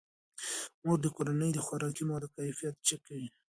مور د کورنۍ د خوراکي موادو کیفیت چک کوي.